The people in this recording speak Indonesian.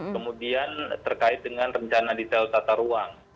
kemudian terkait dengan rencana detail tata ruang